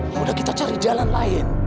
kemudian kita cari jalan lain